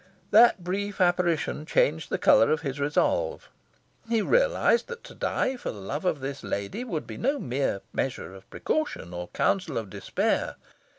That brief apparition changed the colour of his resolve. He realised that to die for love of this lady would be no mere measure of precaution, or counsel of despair.